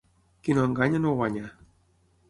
Qui no enganya no guanya.